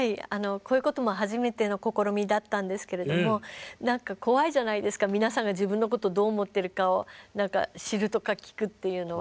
こういうことも初めての試みだったんですけれども何か怖いじゃないですか皆さんが自分のことをどう思っているかを知るとか聞くっていうのは。